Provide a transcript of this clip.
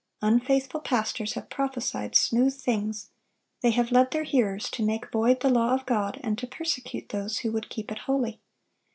Unfaithful pastors have prophesied smooth things; they have led their hearers to make void the law of God and to persecute those who would keep it holy.